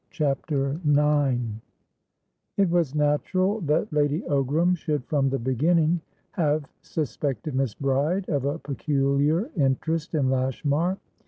CHAPTER IX It was natural that Lady Ogram should from the beginning have suspected Miss Bride of a peculiar interest in Lashmar.